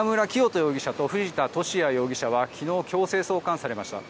容疑者と藤田聖也容疑者は昨日、強制送還されました。